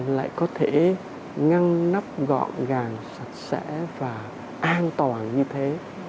lại có thể ngăn nắp gọn gàng sạch sẽ và an toàn như thế